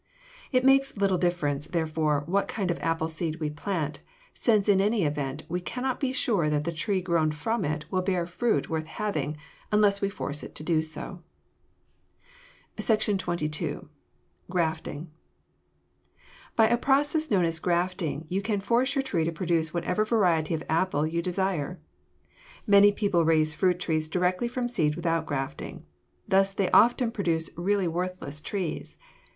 It makes little difference, therefore, what kind of apple seed we plant, since in any event we cannot be sure that the tree grown from it will bear fruit worth having unless we force it to do so. [Illustration: FIG. 63. A YOUNG FRUIT GROWER] SECTION XXII. GRAFTING By a process known as grafting you can force your tree to produce whatever variety of apple you desire. Many people raise fruit trees directly from seed without grafting. Thus they often produce really worthless trees.